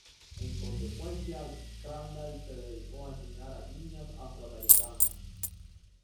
En consecuencia, Crandall se dedicó a enseñar a niñas afroamericanas.